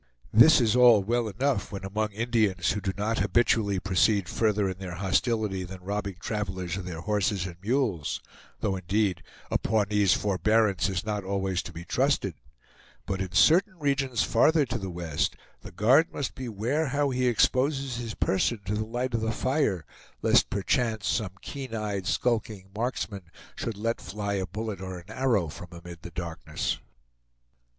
This is all well enough when among Indians who do not habitually proceed further in their hostility than robbing travelers of their horses and mules, though, indeed, a Pawnee's forebearance is not always to be trusted; but in certain regions farther to the west, the guard must beware how he exposes his person to the light of the fire, lest perchance some keen eyed skulking marksman should let fly a bullet or an arrow from amid the darkness.